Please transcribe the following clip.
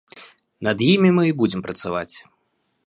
Над імі мы і будзем працаваць.